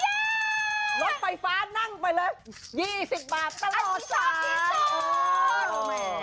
รถไฟฟ้านั่งไปเลย๒๐บาทตลอดสาย